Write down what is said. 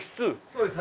そうです。